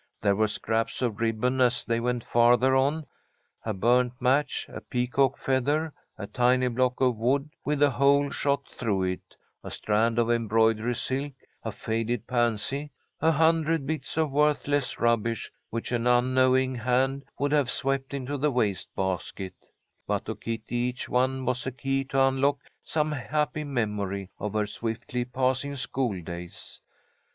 There were scraps of ribbon, as they went farther on, a burnt match, a peacock feather, a tiny block of wood with a hole shot through it, a strand of embroidery silk, a faded pansy, a hundred bits of worthless rubbish which an unknowing hand would have swept into the waste basket; but to Kitty each one was a key to unlock some happy memory of her swiftly passing school days.